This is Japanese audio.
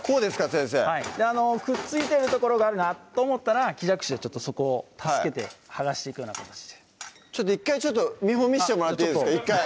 先生はいくっついてる所があるなと思ったら木じゃくしでそこを助けて剥がしていくような形でちょっと１回ちょっと見本見してもらっていいですか？